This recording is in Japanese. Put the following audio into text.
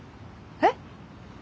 えっ？